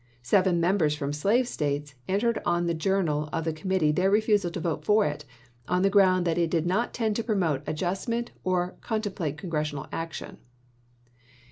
Seven members from slave States entered on the journal of the Committee their refusal to vote for it, on the ground that it did not tend to promote adjustment or con template Congressional action.